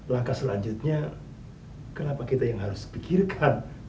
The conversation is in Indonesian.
langkah selanjutnya kenapa kita yang harus pikirkan